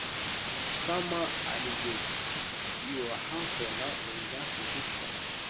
kama alivyojiwa hapo na mwenzangu victor macsedek